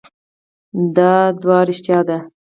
دا ادعا رښتیا ده.